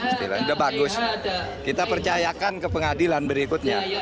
sudah bagus kita percayakan ke pengadilan berikutnya